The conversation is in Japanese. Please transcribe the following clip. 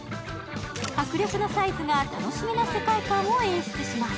迫力のサイズが楽しげな世界観を演出します。